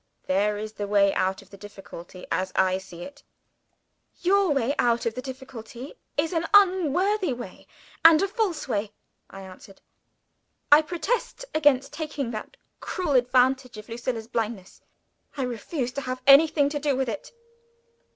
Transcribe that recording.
There is the way out of the difficulty as I see it." "Your way out of the difficulty is an unworthy way, and a false way," I answered. "I protest against taking that cruel advantage of Lucilla's blindness. I refuse to have anything to do with it."